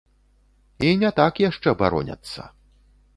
І не так яшчэ бароняцца.